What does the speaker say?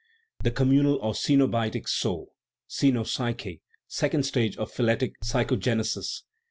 The communal or cenobitic soul (coenopsyche) : second stage of phyletic psychogenesis.